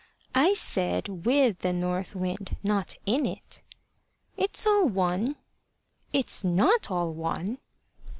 "I said with the North Wind, not in it." "It's all one." "It's not all one."